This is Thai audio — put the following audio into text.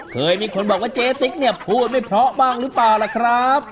เคยมีคนบอกว่าเจ๊ติ๊กเนี่ยพูดไม่เพราะบ้างหรือเปล่าล่ะครับ